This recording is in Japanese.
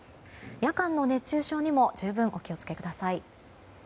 夜間の熱中症にも十分、お気を付けください。